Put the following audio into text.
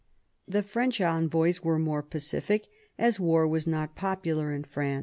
The French envoys were more pacific, as war was not popular in France.